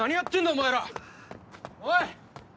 お前らおい